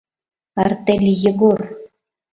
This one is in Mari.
АРТЕЛЬ ЕГОР